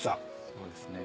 そうですね。